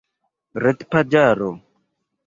retpaĝaro